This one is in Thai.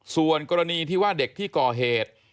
ส่วนกรณีที่ว่าเด็กที่ก่อเหตุ